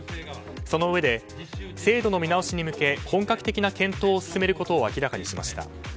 そのうえで制度の見直しに向け本格的な検討を進めることを明らかにしました。